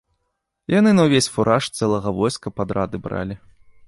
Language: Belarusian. Яны на ўвесь фураж цэлага войска падрады бралі.